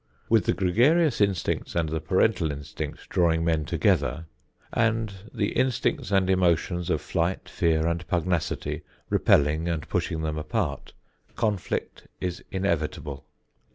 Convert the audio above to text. With the gregarious instinct and the parental instinct drawing men together, and the instincts and emotions of flight, fear and pugnacity, repelling and pushing them apart, conflict is inevitable.